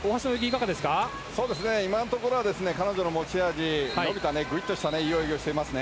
今のところ彼女の持ち味の伸びた、いい泳ぎをしています。